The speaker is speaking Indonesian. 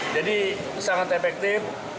jadi sangat efektif